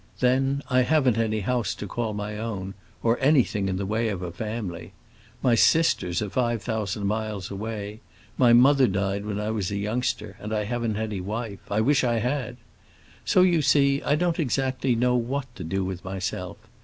Then, I haven't any house to call my own, or anything in the way of a family. My sisters are five thousand miles away, my mother died when I was a youngster, and I haven't any wife; I wish I had! So, you see, I don't exactly know what to do with myself.